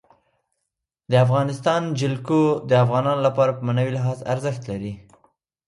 د افغانستان جلکو د افغانانو لپاره په معنوي لحاظ ارزښت لري.